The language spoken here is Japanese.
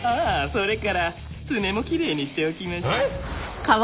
それから爪もキレイにしておきましたえっ？